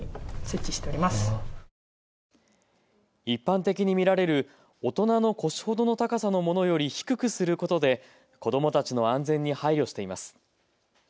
一般的に見られる大人の腰ほどの高さのものより低くすることで子どもたちの安全に配慮しています。